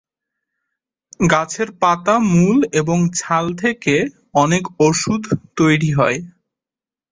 গাছের পাতা, মূল এবং ছাল থেকে অনেক ওষুধ তৈরি হয়।